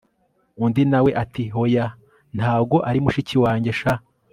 undi nawe ati hoya ntago ari mushiki wanjye sha